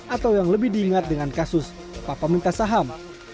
atau yang lebih diingat dengan kasus papa minta saham